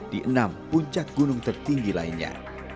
di enam puncak gunung tertinggi lainnya